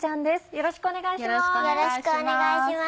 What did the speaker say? よろしくお願いします。